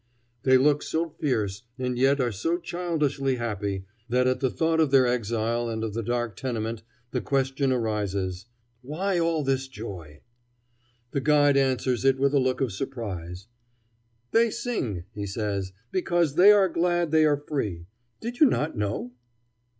yi!" They look so fierce, and yet are so childishly happy, that at the thought of their exile and of the dark tenement the question arises, "Why all this joy?" The guide answers it with a look of surprise. "They sing," he says, "because they are glad they are free. Did you not know?"